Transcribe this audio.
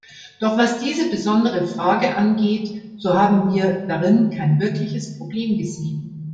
Doch was diese besondere Frage angeht, so haben wir darin kein wirkliches Problem gesehen.